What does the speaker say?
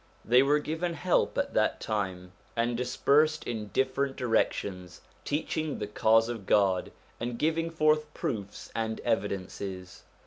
They were given help at that time, and dispersed 122 SOME CHRISTIAN SUBJECTS 123 in different directions, teaching the Cause of God, and giving forth proofs and evidences.